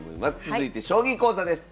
続いて将棋講座です。